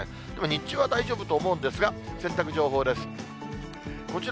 日中は大丈夫と思うんですが、洗濯情報です。